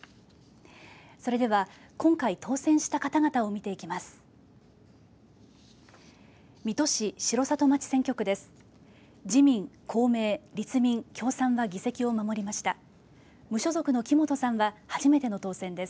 それでは今回当選した方々を見ていきます。